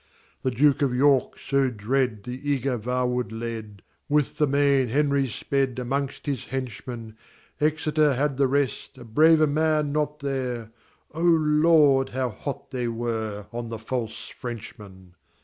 The Duke of York so dread The eager vaward led; With the main Henry sped Amongst his henchmen. Excester had the rear, A braver man not there, O Lord, how hot they were On the false Frenchmen!